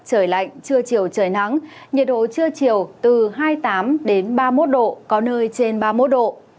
trời lạnh trưa chiều trời nắng nhiệt độ trưa chiều từ hai mươi tám ba mươi một độ có nơi trên ba mươi một độ